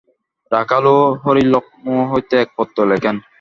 রাখাল ও হরি লক্ষ্ণৌ হইতে এক পত্র লেখেন।